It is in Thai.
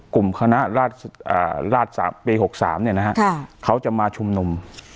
กลุ่มคณะราชปี๖๓เนี่ยนะครับเขาจะมาชุมนม